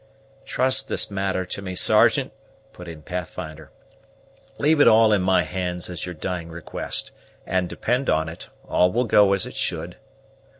"Trust this matter to me, Sergeant," put in Pathfinder; "leave it all in my hands as your dying request; and, depend on it, all will go as it should."